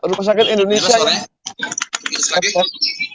rumah sakit indonesia yang